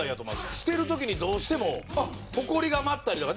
捨てる時にどうしてもほこりが舞ったりとか。